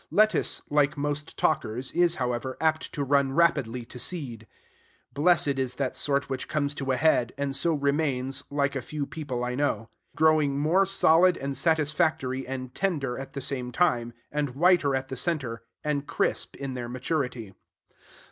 Lettuce, like most talkers, is, however, apt to run rapidly to seed. Blessed is that sort which comes to a head, and so remains, like a few people I know; growing more solid and satisfactory and tender at the same time, and whiter at the center, and crisp in their maturity.